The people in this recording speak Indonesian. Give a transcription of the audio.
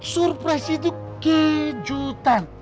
surprise itu kejutan